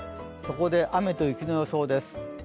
そこで雨と雪の予想です。